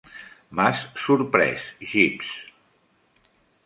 M'has sorprès, Jeeves.